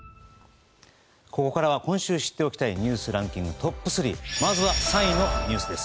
ここからは今週知っておきたいニュースランキングトップ３まずは３位のニュースです。